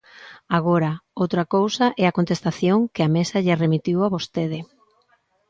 Agora, outra cousa é a contestación que a Mesa lle remitiu a vostede.